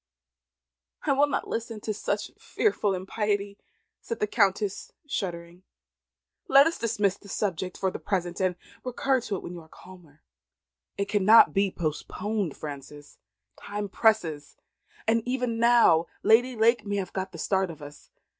"I will not listen to such fearful impiety," said the Countess, shuddering. "Let us dismiss this subject for the present, and recur to it when you are calmer." "It cannot be postponed, Frances. Time presses, and even now Lady Lake may have got the start of us.